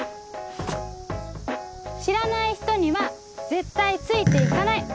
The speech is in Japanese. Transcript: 知らない人には絶対ついて行かない。